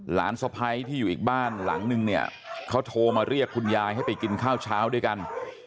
สะพ้ายที่อยู่อีกบ้านหลังนึงเนี่ยเขาโทรมาเรียกคุณยายให้ไปกินข้าวเช้าด้วยกัน